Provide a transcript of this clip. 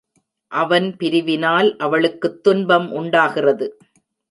அவன் பிரிவினால் அவளுக்குத் துன்பம் உண்டாகிறது.